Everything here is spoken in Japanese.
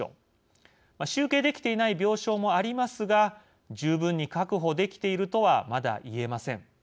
集計できていない病床もありますが十分に確保できているとはまだいえません。